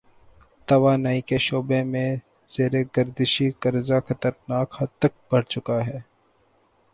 توانائی کے شعبے میں زیر گردشی قرضہ خطرناک حد تک بڑھ چکا ہے۔